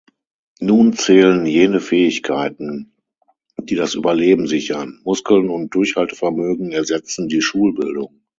Nun zählen jene Fähigkeiten, die das Überleben sichern; Muskeln und Durchhaltevermögen ersetzen die Schulbildung.